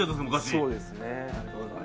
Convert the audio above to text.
そうですね。